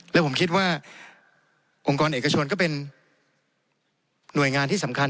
และผมคิดว่าองค์กรเอกชนก็เป็นหน่วยงานที่สำคัญ